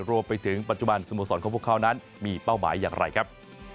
รวมไปถึงปัจจุบันสโมสรของพวกเขานั้นมีเป้าหมายอย่างไรครับ